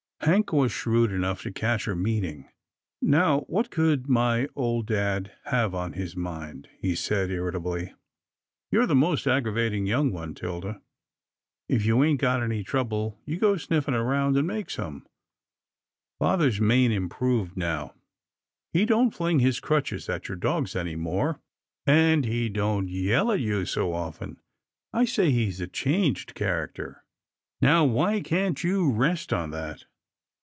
Hank was shrewd enough to catch her meaning. " Now what could my old dad have on his mind? " he asked irritably. " You're the most aggravating young one, 'Tilda. If you ain't got any trouble, you go sniffing round and make some. Father's main improved, now. He don't fling his crutches at your dogs any more, and he don't yell at you so often. I say he's a changed character. Now, why can't you rest on that?